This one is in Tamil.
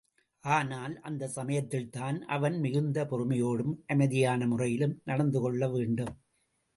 ஆனால், அந்தச் சமயத்தில்தான் அவன் மிகுந்த பொறுமையோடும், அமைதியான முறையிலும் நடந்து கொள்ள வேண்டும்.